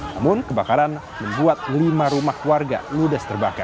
namun kebakaran membuat lima rumah warga ludes terbakar